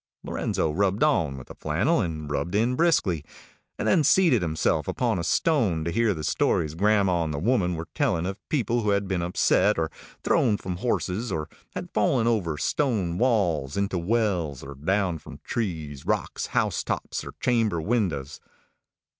Lorenzo rubbed on with a flannel, and rubbed in briskly, and then seated himself upon a stone to hear the stories grandma and the woman were telling of people who had been upset, or thrown from horses, or had fallen over stone walls, into wells, or down from trees, rocks, house tops, or chamber windows.